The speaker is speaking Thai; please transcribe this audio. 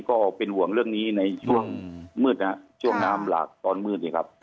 ก็เป็นห่วงเรื่องนี้ในช่วงมืดนะครับ